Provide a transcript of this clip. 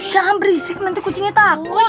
jangan berisik nanti kucingnya tangan